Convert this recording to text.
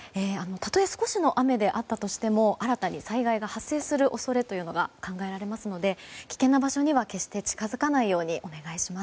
たとえ少しの雨であったとしても新たに災害が発生する恐れが考えられますので危険な場所には決して近づかないようにお願いします。